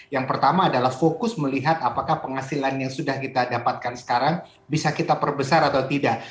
yang pertama adalah fokus melihat apakah penghasilan yang sudah kita dapatkan sekarang bisa kita perbesar atau tidak